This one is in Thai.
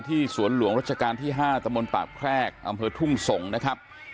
ที่สวนหลวงราชการ๕ตมนตราบแคลกอำเภิวทุ่มสงฆ์